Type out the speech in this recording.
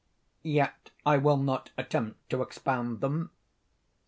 Yet I will not attempt to expound them.